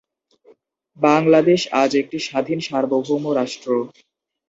বাংলাদেশ আজ একটি স্বাধীন সার্বভৌম রাষ্ট্র।